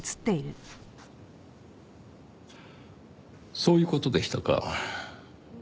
そういう事でしたか。